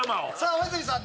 大泉さん